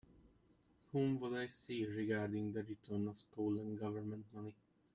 Whom would I see regarding the return of stolen Government money?